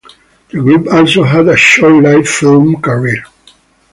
The Group also had a short lived film career.